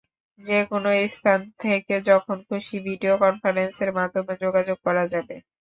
যেকোনো স্থান থেকে যখন খুশি ভিডিও কনফারেন্সের মাধ্যমে যোগাযোগ করা যাবে।